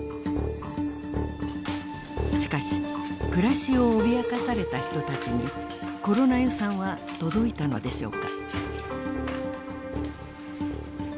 しかし暮らしを脅かされた人たちにコロナ予算は届いたのでしょうか？